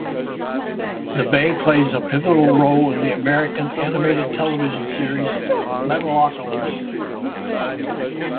The bay plays a pivotal role in the American animated television series Metalocalypse.